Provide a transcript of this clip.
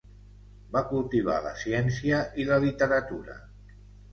Va cultivar la ciència i la literatura.